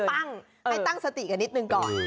ไม่ตั้งสติกันนิดนึงก่อน